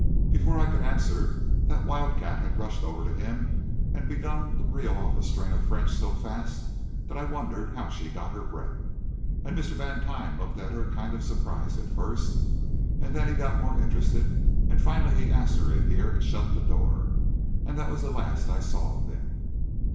"But before I could answer, that wild cat had rushed over to him and begun to reel off a string of French so fast I wondered how she got her breath. And Mr. Vantine looked at her kind of surprised at first, and then he got more interested, and finally he asked her in here and shut the door, and that was the last I saw of them."